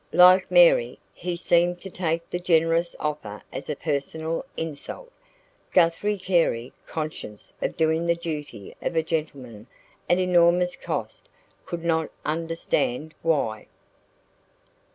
Like Mary, he seemed to take the generous offer as a personal insult. Guthrie Carey, conscious of doing the duty of a gentleman at enormous cost, could not understand why.